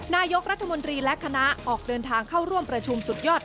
นายกรัฐมนตรีและคณะออกเดินทางเข้าร่วมประชุมสุดยอด